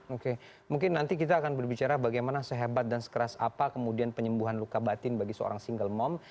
oke mungkin nanti kita akan berbicara bagaimana sehebat dan sekeras apa kemudian penyembuhan luka batin bagi seorang single mom